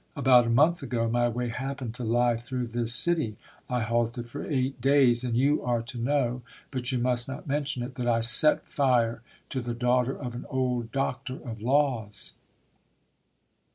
About a month ago my way happened to lie through this city. I halted for eight days, and you are to know but you must not mention it that I set fire to the daughter of an old doctor of laws.